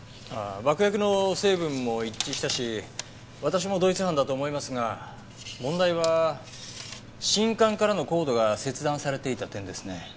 爆薬の成分も一致したし私も同一犯だと思いますが問題は信管からのコードが切断されていた点ですね。